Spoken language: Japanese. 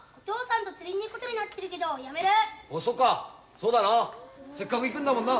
そうだなぁせっかく行くんだもんな。